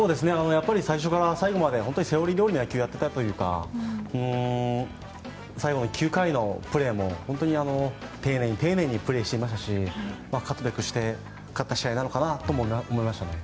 最初から最後までセオリーどおりの野球をやっていたというか最後、９回も本当に丁寧にプレーしていましたし勝つべくして勝った試合なのかなとも思いましたね。